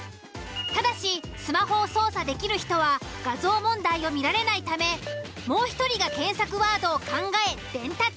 ただしスマホを操作できる人は画像問題を見られないためもう１人が検索ワードを考え伝達。